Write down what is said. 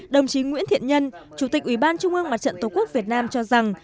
đồng chí nguyễn thiện nhân chủ tịch ủy ban trung ương mặt trận tổ quốc việt nam cho rằng